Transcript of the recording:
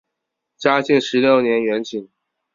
嘉庆十六年园寝。